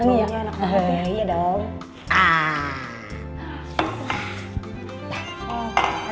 ini ya enak